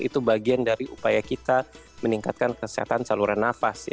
itu bagian dari upaya kita meningkatkan kesehatan saluran nafas